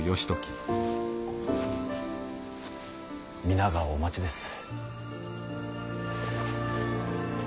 皆がお待ちです。